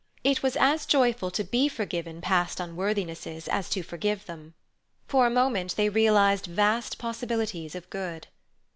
It was as joyful to be forgiven past unworthinesses as to forgive them. For a moment they realized vast possibilities of good.